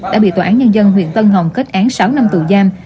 đã bị tòa án nhân dân huyện tân hồng kết án sáu năm tù giam